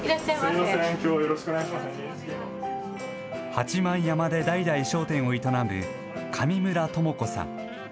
八幡山で代々、商店を営む上村智子さん。